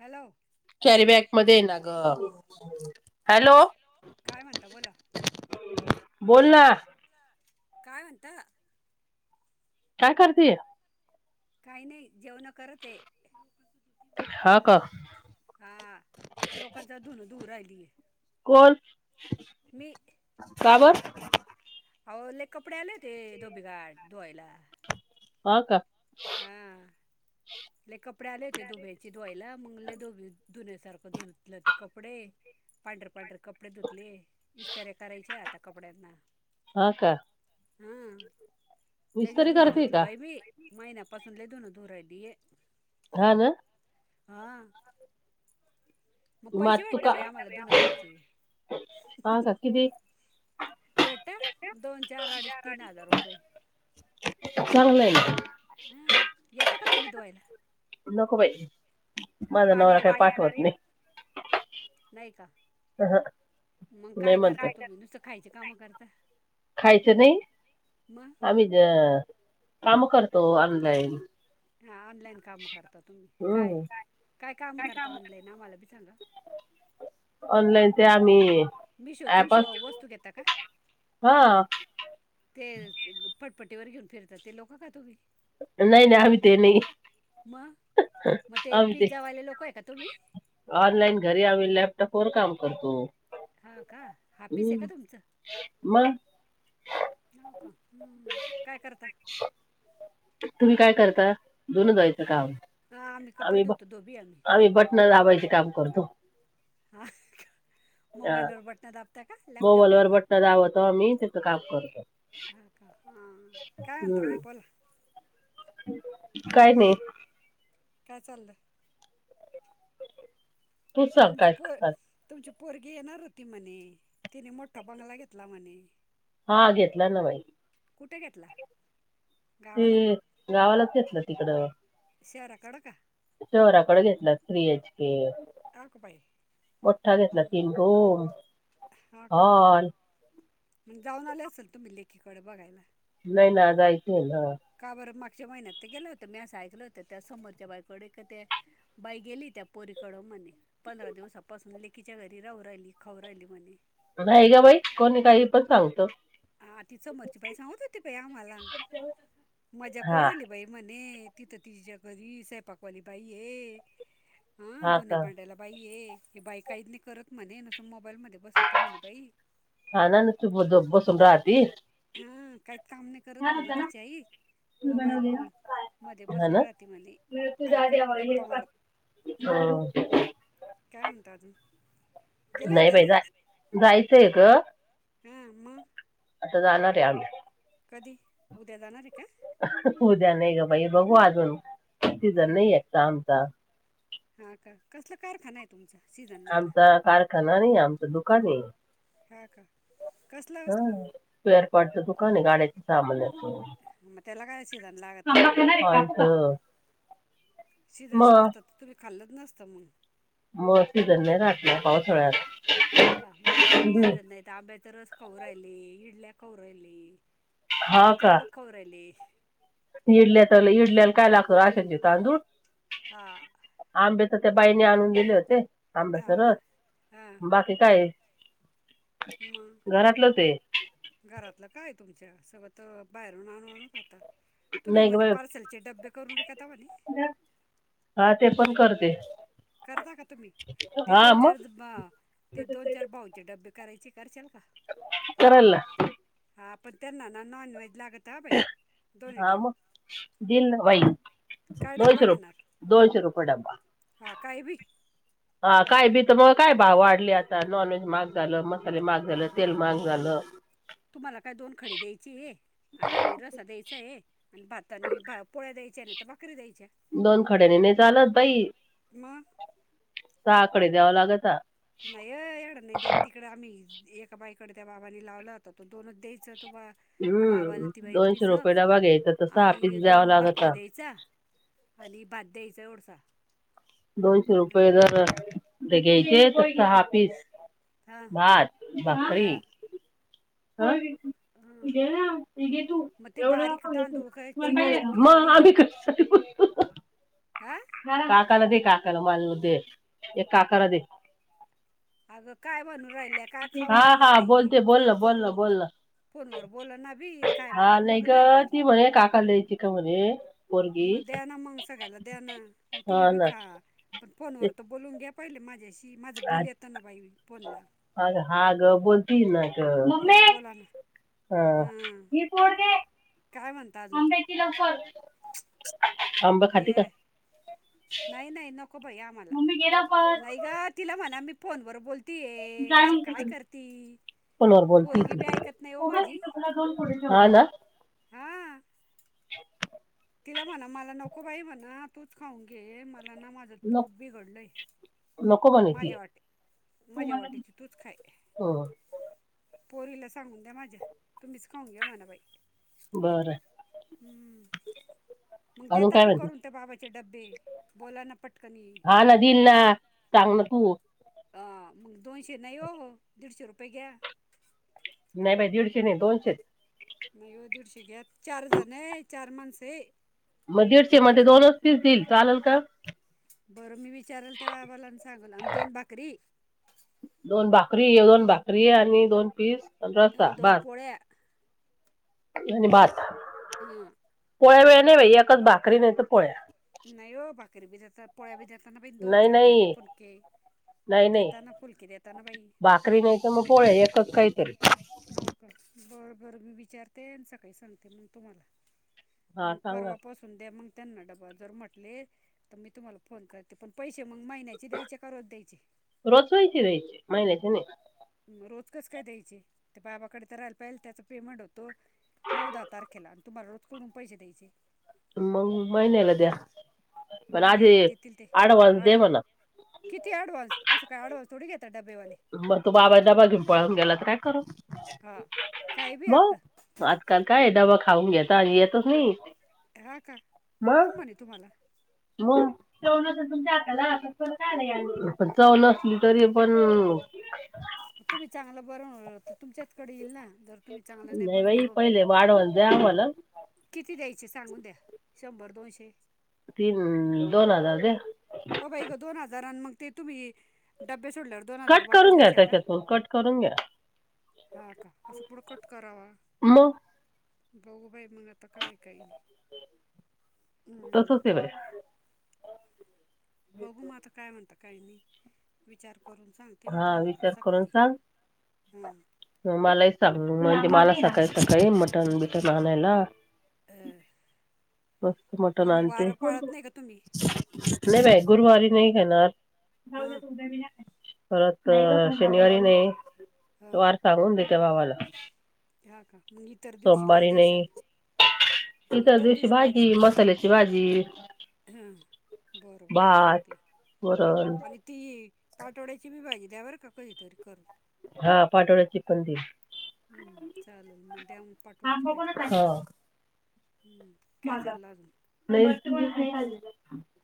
Hello carry bag मध्ये आहे ना ग. हॅलो काय म्हणता बोला. बोल ना. काय म्हणता. काय करतेय काही नाही जेवण करत आहे हा का हा लोकांचा धुन दूर राहिलीय. कोण मी का बरं? अहो लय कपडे आलेत धोबीघाट धुवायला पा का ले कपडे आले होते दुभ्याची धुवायला मग दुबे धुनण्यासारखं धुतलं ते कपडे पांढरे पांढर कपडे धुतले इस्तारे करायचे आता कपड्यांना हा का हा लगे इस्तरी धुन करते धुतलं का बाई मी महिनापासून लय धुण धुऊन दिए हा ना हा मग पैसे तू वाटत का बाई आम्हाला दुनं धुवायचे हा काकदीी भेटा दोन चार अडेच तीन हजार रुपये ललं [inaudible] हं. येता का तुम्ही धुवायला नको बाई माझा पाणी नवरा काय आल्यावर या पाठवत नाही नाही का अहं, मग नाही काय म्हणतो करता तुम्ही नुसतं खायची कामं करता खायचं नाही मग आम्ही ज काम करतो ऑनलाईन हा ऑनलाईन काम करता तुम्ही काय हम्म काय काम करता ऑनलाईन आम्हाला बी सांगा ऑनलाईन ते आम्ही मिशोच्या ऍप वस्तू घेता का हा ते पटपटीवर घेऊन फिरतात ते लोकं का तोघी नाही नाही आम्ही ते नाही मग मग आम्ही ते पिझ्झावाले लोक आहे का तुम्ही ऑनलाईन घरी आम्ही लॅपटॉपवरर काम करतो हा का हापीस आहे का हम्म तुमचं मग न का हम्म काय करता तुम्ही काय करता धुण जायचं काम हा कपडे आम्ही ब धुतो धोबी आम्ही बटण दाबायचे काम करतो हा हा मोबाईल वर बटना दाबता का लॅपटॉप मोबाईल वर बटन दाबतो आम्ही त्याच काम करतो. हा का हा काय म्हंत हम्म बाई बला काय नाही काय चाललंं तूच सांग तमची काय पो करतात. तमची पोरगी येणार रुती म्हने तिने मोठा बंगला घेतला म्हने हा घेतला ना बाई कुठे घेतला ते गावाला गावालाच घेतलं तिकडं शरा कडका शहराकडे घेतला थ्री एच के हा का बाई मोठठा घेतला तीन हो हा मग जाऊन आले असल तुम्ही लेकीकडे बघायला नाही ना जायचय ना का बरं? मागच्या महिन्यात तर गेलं होतं, म्या अस ऐकलं होतं त्या समोरच्या बाईकडे ते बाई गेली त्या पोरीकड म्हणे. पंधरा दिवसापासून लेकीच्या घरी राहू राहिली, खावू राहिली म्हणे. नाही गं बाई, कोणी काही पण सांगत. हा ती समोरची बाई सांगत होती बाई आम्हाला, मजा हा करून आली बाई म्हणे. तिथं तिच्या घरी स्वयंपाक वाली बाई ये, हा धूण्या- भांड्याला बाई ये हे बाई काहीत नाही करत म्हणे, नसतं मोबाईल मध्ये बसती म्हणे बाई. हा ना, नुसत झो-बसून राहती. हम, काहीच काम नाही करत, छान म्हणे होता ना तिची आई. तू बनवलेला मोबाईल काय मध्ये हा ना बसून राहते म्हणे, मी तुझ्या आधी ऐकत आवडली हे गप्पा का? मारत. हम्म, [unintelligible] काय म्हणता, अजून गेल्या नाही होत्या ना? बाई जाय जायचंय गं. हा म. आता जाणारे रे आज. कधी उद्या जाणार आहे का? उद्या नाही गं बाई, बघू अजून सिजन नाहीये आमचा. हा का, कसलं कारखाना येत? तुमचा सीजन आमचा कारखाना नाही आमचं दुकान आहे. हा का, कसलं ओ? स्पेअरपार्टचं दुकान आहे गाड्यांच सामानाचं मग त्याला काय शिजन लागत [unintelligible] येणारे का? [unintelligible] शिजन मग नसतं तर, तुम्ही खाल्लच नसतं मग. मग सीझन नाही राहत ना, हा पावसाळ्यात. का म्हणून तुम्ही शिजत नाहीत आंब्याचा रस खावू राहिले, इडल्या खावू राहिले हा चांगलं का चांगल खावू राहिले. इडल्या तर इडल्याला काय लागतं, राशनचे तांदुळ? हा. आंबे तर त्या बाईने आणून दिले होते, हा आंब्याचा रस हा बाकी ते काय ये मग घरातलं ते घरातलं काय ये तुमच्या सगळं, तर बाहेरून आणू आणू खाता. तुम्ही नाही ग म्हणे बाई पार्सलचे डबे करून विकता म्हणे? हा, ते पण करते. करता का, तुम्ही ते हा दोन मग चार ते दोन चार भाऊंचे डब्बे करायची करच्याल का? करल ना. हा, पण त्यांना ना नॉनव्हेज लागतं. हा, मग दिल ना बाई काय डब्बा दोनशे रुप घेणार दोनशे रूपये डब्बा. हा, काही बी हा काय बी, तर मग काय भाव वाढले, आता नॉनव्हेज महाग झालं मसाले महाग झालं, तेल महाग झालं. तुम्हाला काय दोन कडी द्यायची आहे. आणि रस्सा द्यायचा आहे, आणि भात आणि पोळ्या द्यायच्या नाही, तर भाकरी द्यायच्या. दोन कड्यान नाही चालत बाई. म सहा कडी द्यावं लागतं. नाही यं एवढं नाही देेत इकडे आम्ही एका बाईकडे त्या बाबानी लावला होता, तो दोनच द्यायच तव्हा. बाबाला हम्म ति बाई दोनशे पिस रुपये डबा घ्यायचा तर सहा आणि पीस द्यावा दोन लागत भाकरी आ. द्यायचा. आणि भात द्यायचा एवडूसा. दोनशे रुपये जर ते अ हां घ्यायचे, तर सहा पीस हां भात, भाकरी ह [unintelligible] हां मी घे तू मग ते एवढं [unintelligible] तुम्हाला बारीक पाहिजे तांदूळ खायची का? खिचडी मग आम्ही कशा साठी [unintelligible] आ. काकाला दे काकाला माल दे ते काकाला दे. अगं काय म्हणून राहिल्या काय खाऊ हा राहिल्या हा, बाई बोलते बोल ना चोरू बोल ना, चोरू बोल ना. फोनवर बोला ना बी काय हा मध्ये नाही मग गं, बाई ती म्हणे काका द्यायची का म्हणे. पोरगी मग द्या ना, मग सगळ्याला द्या ना मग, तुम्ही हा बी ना खा. पण ते फोनवर तर बोलवून घ्या, पाहिले माझ्याशी माझं आ- बिल येतं ना बाई फोनला. अगं, हा गं बोलती ना गं, मम्मे. मग बोला ना हा, हां हि फोड घे काय म्हणता अजून आंब्याची लवकर. आंब खाती का? ए नाही नाही नको बाई आम्हाला, मम्मी गेला नाही परत गं तिला म्हणा मी फोनवर बोल तीये अशी काय करती? फोन वर बोलती ये पोरगी बी ती, ऐकत नाही हो मग तिचे तिला दोन फोड ठेवा मग, हा ना. हा. तिला म्हणा मला नको बाई म्हणा, तूच खाऊन घे मला ना माझं पोट नक- बिघडलंय. नको म्हणे माझ्या ती वाटी माझ्या वाटेची हम्म, तूच खाय. पोरीला सांगून द्या माझ्या, तुम्हीच खाऊन घ्या म्हणा बाई. बरं हम्म, मग अजून देता काय का, म्हणते करून त्या बाबाचे डब्बे बोलाय नां पटकनी? हा ना, दिल ना. सांग ना तू. अ मग दोनशे नाही, ओ दीडशे रुपये घ्या. नाही बाई दीडशे नाही, दोनशेच. नाही ओ दीडशे घ्या, चार जण आहे चार माणसं आहे. मग दीडशे मध्ये दोनचं [unintelligible] चालेल का? बरं मी विचारल तेव्हा आम्हाला सांगल, आणि दोन भाकरी दोन भाकरी वेगळ, अण दोन भाकरी आणि दोन पीस रस्सा अण दोन भात पोळ्या. आणि भात. हा. पोळ्या बिळ्या नाही बाई एकच भाकरी नाही तर, पोळ्या. नाही ओ, भाकरी बी देता, पोळ्या बी देता दोन नाही छोटे नाही छोटे फुलके. नाही नाही, देताना फुलकी देताना बाई भाकरी नाही तर मग पोळे एकच काही तरी. हा का, बरं बरं मी विचारते आणि सकाळी सांगते मग, तुम्हाला. हा मग सांगा परवा पासून द्या, मग त्यांना डबा जर म्हटले तर मी तुम्हाला फोन करते. ते, पण पैसे मग महिन्याचे द्यायचे का रोज द्यायचे? रोज पैसै द्यायचे, माहिन्याचे नाही. रोज कसं काय द्यायचे, ते बाबाकडे तर राहायला पाहिल त्याचा पेमेंट होतो नऊ दहा तारखेला आणि तुम्हाला रोज कोठून पैसे द्यायचे. म महिन्याला द्या पण, आधी महिन्याला देतील ते अऍडव्हान्स दे आडव म्हणाव. किती अडवान्स असं काय, ॲडवान्स थोडी घेतात डब्बेवाले? मग तो बाबा घेवून पळून गेला तर, काय करलं? हा काही बी आप आजकाल काय डबा खाऊन घेतात येतचं नाही. हा का, मग कोण म्हणे तुम्हाला? मग. चवमण चवण असली तरी पण.... तुम्ही चांगलं बनव तर तुमच्याचकडे येईल ना जर तुम्ही चांगलं नाही बनवल... वाढवण द आम्हाला.... किती द्यायचे सांगून द्या शंभर दोनशे.... तीन दोन हजार दे..... हो बाई गं दोन हजारां मग ते तुम्ही डबे सोडल्यावर.... दोन हजार कट वापस करून घ्या द्याशाल का त्याच्यातून कट करून घ्या..... हा का असं पुढं कट करावा.... मग गऊ बाई मंगाता कावाई काही नाही. हम्म. तसंच आहे बाई.... बघू म आता काय म्हणत काहीनी विचार करून सांग..... ते मी हा तुम्हाला विचार करून सकाळी सांग हां.... मलाही सांग म्हणजे मला सकाायं काळी मटन बिटन आणायला.... [inaudible] मस्त मटन पण आणते. वारं पाळत नाही का तुम्ही नाही बाई गुरुवारी नाही खाणार.... हां परत शनिवारी नाही हां वार सांगून देत्या भावाला.... हा का मग इतर दिवशी काय सोमवारी देशाल नाही इतर दिवशी भाजी र.... करल्याची भाजी.... हां बरं बरं भात सांगते वरण आणि.... ती पाटोळ्याची मी भाजी द्या बर का कधीतरी करून... हा पाटोळ्याची पण दि... हम्म चालेल मग त्यान.... आंब कोणचा आहे.... हम्म काय चाललं अजून.... नाही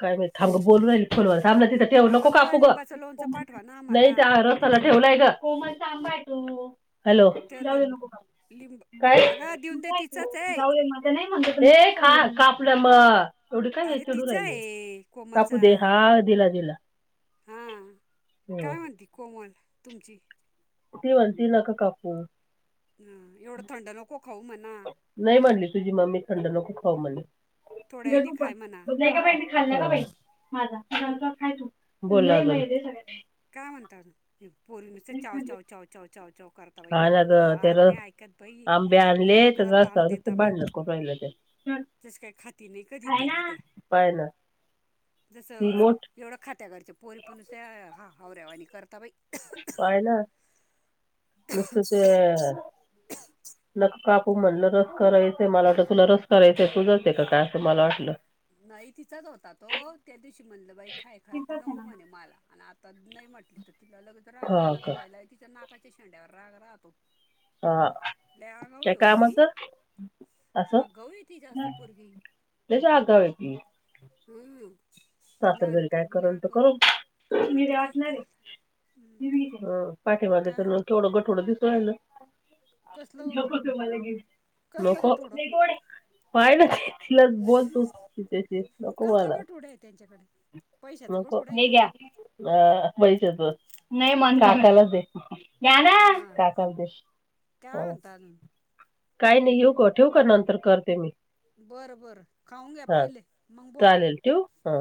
काय माहित थांब बोलू राहिली फोनवर बला तिथ... ठेव नको अगं कापू ग लिंबाचं लोणचं कोम पाठवा ना नाही आम्हाला म्हणे रसाला ठेवलंय ग कोमल आंबा आहे तू. हॅलो त्याला जाऊया नको लिंब काय अगं देऊन दे तुय तिचाच आहे जाऊ माझा नाही म्ह... हे खा काप मग एवढे काय अरे चडू तिचा राहिले आहे कापू दे हा.... हा दिला दिला.... हा काय हं. म्हणती कोमल तुमची... ती म्हणती ना का कापू.... ह एवढं थंड नको खाऊ म्हणा..... नाही मांडली तुझी मग मी थंड न खूप खाऊ म्हणली.... थोड्याही खाय म्हणा खाल्लं का बाई माझा.... हम्म! नंतर खाय तू बोला.... काय म्हणतात पोरी नुसते चाव चाव चाव चाव चाव चाव कर... तई हा ना ग अज ते रस बादने ऐकत भाई आंबे आणले लडो करा तर त आण रस्त्यावर देेत ते बाई... भांडण करून राहिलं ते जस काही खाती नाही खाय ना कधीतरी त्या पाय ना ती जसं... मोठ एवढा खात्या घरच्या पोरी पण नुसत्या हाहवऱ्यावाणी करत्या बाई.... पाहा ना ना नुसतच..... न कापू म्हणलं रस करायचंय मला वाट तुला रस करायचंय तुझच आहे काय असं मला वाटलं..... नाही तिचाच होता तो त्या दिवशी म्हणलं बाई खाय खाय तर नको म्हणे मला.... आणि आता नाही म्हटली तर तिला लगेच राग येऊन हा जातो का बाहिला तिच्या नाकाच्या शेंड्यावर राग राहतो..... हा लय आगाऊ काय आहे हो ती कामाचं.... असं आगाऊ आहे ती जास्त पोरगी त्याच्या आगाव आहे की... हम्म! ती सासर लहानी घरी काय पोरगी लय करल आगाऊ आहे काय माहिती काय करणारे.... करायला हम्म ह पाठीेमागे काय तर केवडं गठोडं दिसून राहील... कसलं कसलं गठुडं [inaudible] पाहिलं तिला बोलतो त्या नको मला. पुढे आहे त्यांच्याकडे पैशाचं नको गठुडं आहे हे का घ्या. अ वैच तो नाही मग काकाला दे घ्याना हा काकालदे काय हो म्हणता अजून काही नाही येऊ का ठेव का नंतर करते मी बरं बरं खाऊन घ्या हा पहिले मग बोला चालेल ठेवू हा